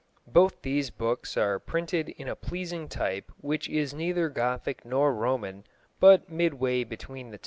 Both these books are printed in a pleasing type which is neither Gothic nor Roman, but midway between the two.